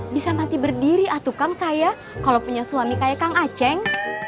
bisa mati berdiri atukang saya kalau punya suami kayak kang aceh